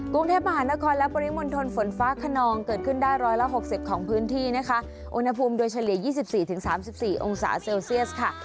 กรุงเทพมหานครและปริมณฐนฝนฟ้าขนองเกิดขึ้นได้ร้อยละหกสิบของพื้นที่นะคะอุณหภูมิโดยเฉลี่ยยี่สิบสี่ถึงสามสิบสี่องศาเซลเซียสค่ะ